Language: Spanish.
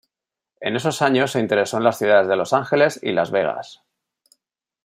En esos años se interesó en las ciudades de Los Ángeles y Las Vegas.